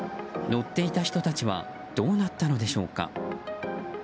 乗っていた人たちはどうなったのでしょうか。